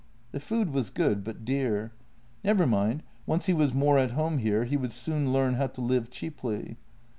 The food was good, but dear. Never mind, once he was more at home here he would soon leam how to live cheaply.